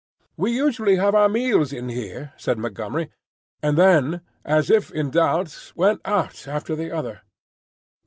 "We usually have our meals in here," said Montgomery, and then, as if in doubt, went out after the other.